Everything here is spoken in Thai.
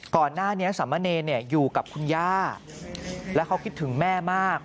ก่อนหน้านี้สามะเนรอยู่กับคุณย่าแล้วเขาคิดถึงแม่มาก